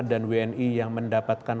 dan wni yang mendapatkan